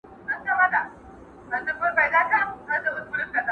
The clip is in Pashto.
د نسترن څڼو کي!.